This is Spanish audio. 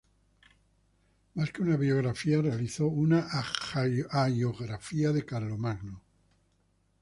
Más que una biografía, realizó una hagiografía de Carlomagno.